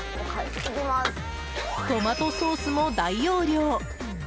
トマトソースも大容量！